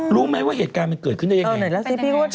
รู้ไหมว่าเหตุการณ์มันเกิดขึ้นได้ยังไง